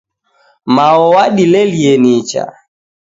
Mao wadilelie nicha